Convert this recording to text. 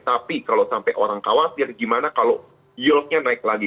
tapi kalau sampai orang khawatir gimana kalau yieldnya naik lagi